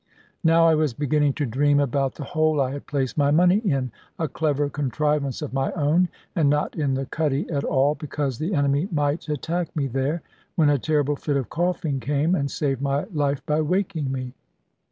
Now I was beginning to dream about the hole I had placed my money in a clever contrivance of my own, and not in the cuddy at all, because the enemy might attack me there when a terrible fit of coughing came and saved my life by waking me.